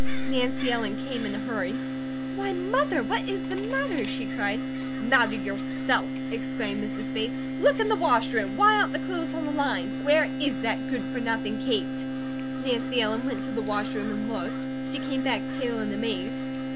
Nancy Ellen came in a hurry. "Why, Mother, what is the matter?" she cried. "Matter, yourself!" exclaimed Mrs. Bates. "Look in the wash room! Why aren't the clothes on the line? Where is that good for nothing Kate?" Nancy Ellen went to the wash room and looked. She came back pale and amazed.